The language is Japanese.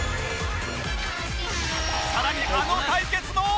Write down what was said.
さらにあの対決も！